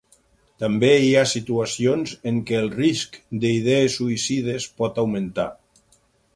També hi ha situacions en què el risc d'idees suïcides pot augmentar.